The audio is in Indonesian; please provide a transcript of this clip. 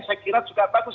saya kira juga bagus